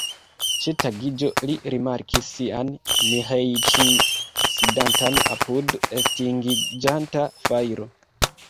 Ĉe tagiĝo li rimarkis sian Miĥeiĉ'n, sidantan apud estingiĝanta fajro.